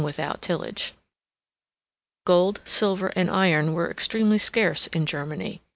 Cæsar, vi. 22.] Gold, silver, and iron, were extremely scarce in Germany.